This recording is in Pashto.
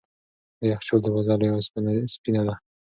د یخچال دروازه لویه او سپینه وه.